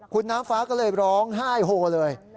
คุณน้ำฟ้าก็เลยร้องไห้โฮเลย